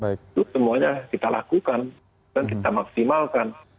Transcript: itu semuanya kita lakukan dan kita maksimalkan